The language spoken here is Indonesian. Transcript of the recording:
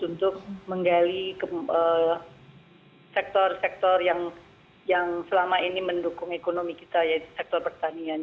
untuk menggali sektor sektor yang selama ini mendukung ekonomi kita yaitu sektor pertanian